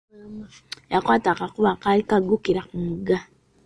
Yakwata akakubo akaali kaggukira ku mugga.